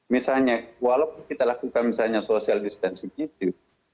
misalnya walaupun kita lakukan misalnya social distancing itu